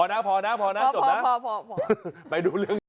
โดยดูเรื่อง